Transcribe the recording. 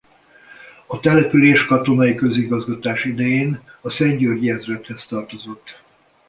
A település katonai közigazgatás idején a szentgyörgyi ezredhez tartozott.